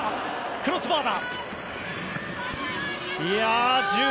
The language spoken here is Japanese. クロスバーだ。